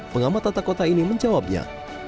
pengamat tata kota ini menjawabnya